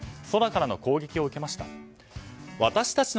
空からの攻撃を受けました。